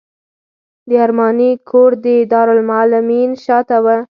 د ارماني کور د دارالمعلمین شاته و.